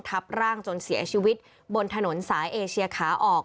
ทับร่างจนเสียชีวิตบนถนนสายเอเชียขาออก